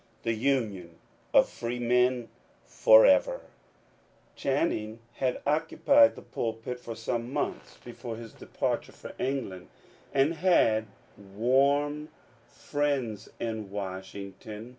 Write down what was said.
The Union of Freemen forever !" Channing had occupied the pulpit for some months before his departure for England, and had warm friends in Wash ington.